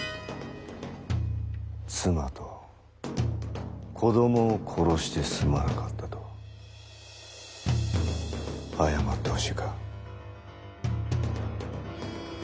妻と子供を殺してすまなかったと謝ってほしいか？